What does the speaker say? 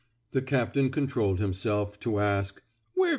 The captain controlled himself to ask: WhereVe yuh been?